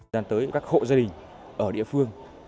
giảm tới các hộ gia đình ở địa phương